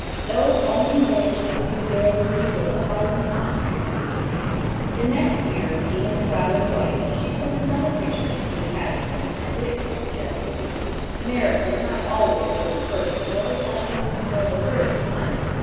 Those only win who can bear refusal a thousand times if need be. The next year, being at the Isle of Wight, she sent another picture to the Academy, and it was rejected. Merit does not always win the first, nor the second, nor the third time.